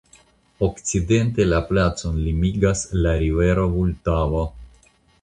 Okcidente la placon limigas la rivero Vultavo.